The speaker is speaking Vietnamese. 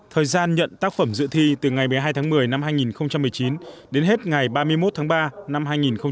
thời gian nhận tác phẩm dự thi từ ngày một mươi hai tháng một mươi năm hai nghìn một mươi chín đến hết ngày ba mươi một tháng ba năm hai nghìn hai mươi